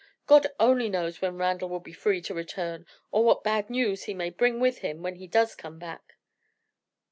God only knows when Randal will be free to return, or what bad news he may bring with him when he does come back."